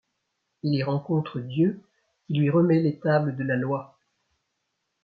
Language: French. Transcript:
Il y rencontre Dieu qui lui remet les tables de la Loi.